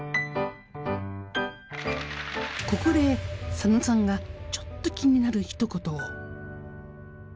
ここで佐野さんがちょっと気になる一言を。